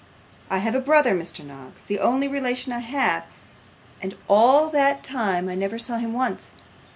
'I have a brother, Mr Noggs the only relation I have and all that time I never saw him once.